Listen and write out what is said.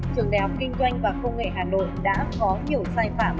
trường đại học kinh doanh và công nghệ hà nội đã có nhiều sai phạm